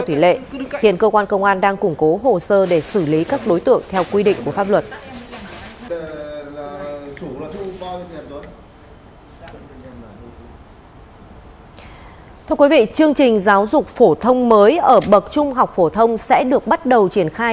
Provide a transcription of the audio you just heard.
thưa quý vị chương trình giáo dục phổ thông mới ở bậc trung học phổ thông sẽ được bắt đầu triển khai